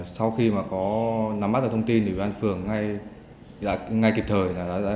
sau khi mà có nắm mắt được thông tin thì ủy ban phường ngay kịp thời